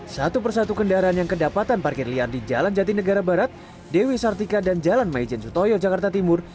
satu persatu kendaraan yang kedapatan parkir liar di jalan jati negara barat dewi sartika dan jalan maijen sutoyo jakarta timur